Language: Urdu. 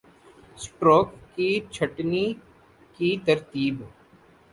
سٹروک کی چھٹنی کی ترتیب